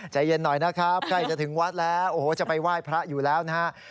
ใจเย็นหน่อยนะครับใกล้จะถึงวัดแล้วโอ้โหจะไปไหว้พระอยู่แล้วนะฮะ